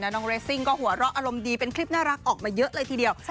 ตามอินสโตรแกรมน้องเรซิ่งก็หัวเราะอารมณ์ดีเป็นคลิปน่ารักออกมาเยอะเลยทีเดียว